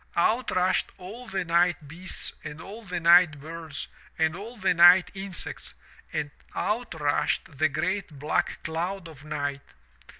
Out rushed all the night beasts and all the night birds and all the night insects and out rushed the great black cloud of night.